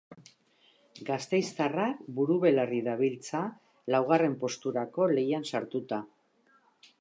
Gasteiztarrak buru-belarri dabiltza laugarren posturako lehian sartuta.